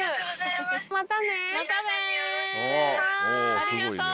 ありがとう。